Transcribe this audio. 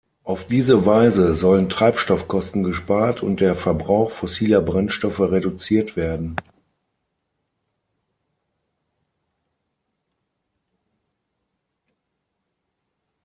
Auf diese Weise sollen Treibstoffkosten gespart und der Verbrauch fossiler Brennstoffe reduziert werden.